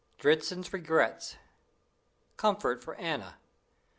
Dritzhn's Regrets. Comfort for Anna.